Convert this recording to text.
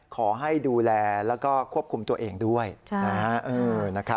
ขอให้ดูแลแล้วก็ควบคุมตัวเองด้วยนะครับ